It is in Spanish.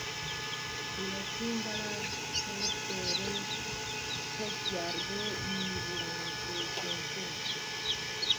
Las boquillas usan vibración para sonar.